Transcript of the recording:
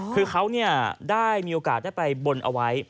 คือเขาได้มีโอกาสได้ไปบนเอาไว้